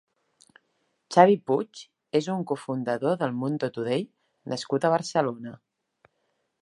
Xavi Puig és un cofundador d'El Mundo Today nascut a Barcelona.